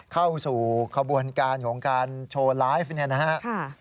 เข้าสู่ขบวนการของการโชว์ไลฟ์เนี่ยนะครับ